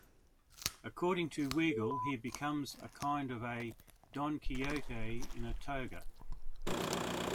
According to Weigel, he becomes a kind of "a Don Quixote in a toga".